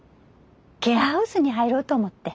ケアハウスに入ろうと思って。